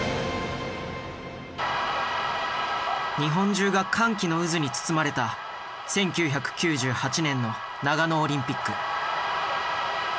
日本中が歓喜の渦に包まれた１９９８年の長野オリンピック。